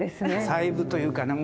細部というかね